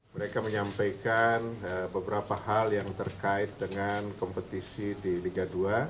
mereka menyampaikan beberapa hal yang terkait dengan kompetisi di liga dua